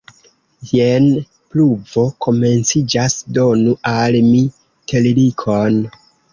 Jen pluvo komenciĝas, donu al mi terlikon!